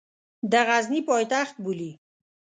د غزني پایتخت بولي.